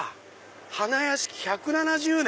花やしき１７０年！